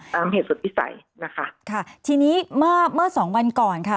ตามเหตุสุดพิสัยนะคะทีนี้เมื่อสองวันก่อนค่ะ